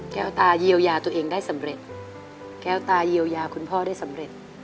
แก้วตาเยียวยาตัวเองได้สำเร็จแก้วตาเยียวยาคุณพ่อได้สำเร็จ